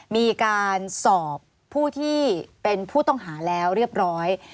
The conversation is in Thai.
มีการสอบผู้ที่เป็นผู้ต้องหาแล้วเรียบร้อย